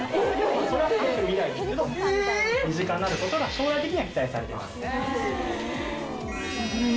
それはかなり未来ですけど身近になることが将来的には期待されてます。